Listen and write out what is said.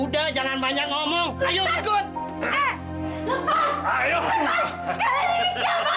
tolongin aku rih